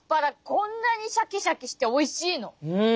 こんなにシャキシャキしておいしいの！？